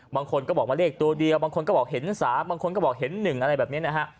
บางคนก็บอกว่าเลขตัวเดียวบางคนก็บอกเห็น๓บางคนก็บอกเห็น๑อะไรแบบนี้นะฮะ